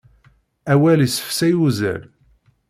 Awal isefsay uzzal.